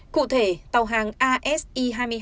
cụ thể tàu hàng asi hai mươi hai